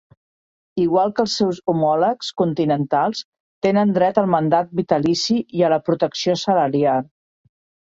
Igual que els seus homòlegs continentals, tenen dret al mandat vitalici i a la protecció salarial.